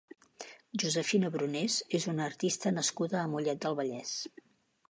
Josefina Brunés és una artista nascuda a Mollet del Vallès.